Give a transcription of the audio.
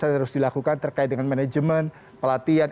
yang terus dilakukan terkait dengan manajemen pelatihan